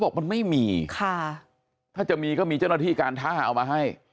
บอกมันไม่มีค่ะถ้าจะมีก็มีเจ้าหน้าที่การท่าเอามาให้